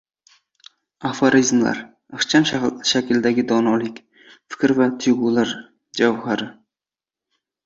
Aforizmlar — ixcham shakldagi donolik, fikr va tuyg‘ular javhari.